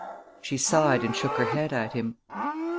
She sighed and shook her head at him.